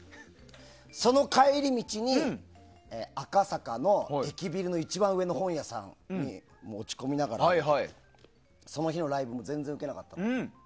その帰り道に赤坂の駅ビルの一番上の本屋さんに落ち込みながらその日のライブも全然ウケなかったから。